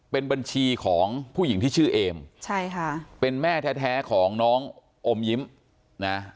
เป็นบัญชีของผู้หญิงที่ชื่อเอมใช่ค่ะเป็นแม่แท้ของน้องอมยิ้มนะ